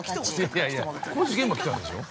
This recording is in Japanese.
◆いやいや工事現場に来たんでしょう？